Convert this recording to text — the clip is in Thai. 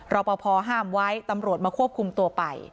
รอปภห้ามไว้ตำรวจมาควบคุมตัวไป